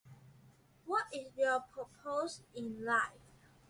What is your purpose in life?